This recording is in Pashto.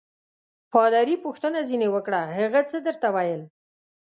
پادري پوښتنه ځینې وکړه: هغه څه درته ویل؟